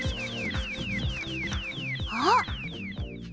あっ！